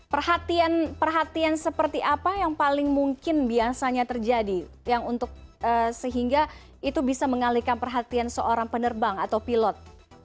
perhatian perhatian seperti apa yang paling mungkin biasanya terjadi yang untuk sehingga itu bisa mengalihkan perhatian seorang penerbang atau pilot